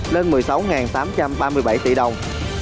lên một mươi sáu tám trăm ba mươi bảy tỷ đồng